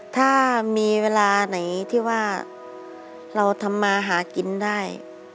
ถ้ามีเวลาไหนที่ว่าเราทำมาหากินได้